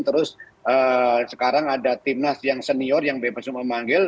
terus sekarang ada timnas yang senior yang bebas untuk memanggil